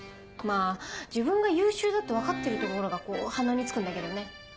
まぁ自分が優秀だって分かってるところがこう鼻につくんだけどね。